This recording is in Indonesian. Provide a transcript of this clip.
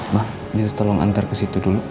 ma ini tolong antar ke situ dulu